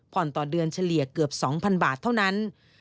ต่อเดือนเฉลี่ยเกือบ๒๐๐บาทเท่านั้น